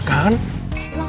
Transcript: kamu tuh pendendam tau gak